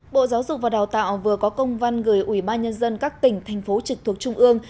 bộ giáo dục và đào tạo vừa có công văn gửi ủy ban nhân dân các tỉnh thành phố trực thuộc trung ương